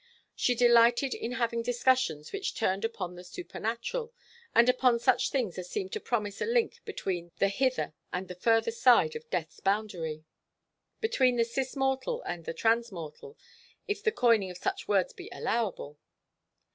She delighted in having discussions which turned upon the supernatural, and upon such things as seem to promise a link between the hither and the further side of death's boundary, between the cis mortal and the trans mortal, if the coining of such words be allowable.